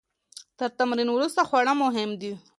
تر تمرین وروسته خواړه مهم دي.